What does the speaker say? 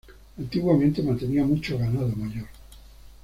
Antiguamente mantenía mucho ganado mayor.